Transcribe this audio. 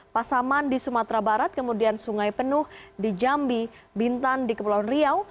pasaman di sumatera barat kemudian sungai penuh di jambi bintan di kepulauan riau